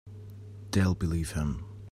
They'll believe him.